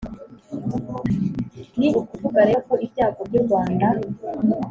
ni ukuvuga rero ko ibyago by'u rwanda